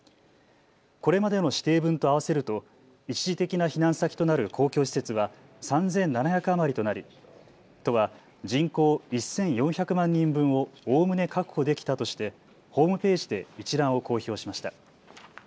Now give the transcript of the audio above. これまでの指定分と合わせると一時的な避難先となる公共施設は３７００余りとなり都は人口１４００万人分をおおむね確保できたとしてホームページで一覧を公表しました。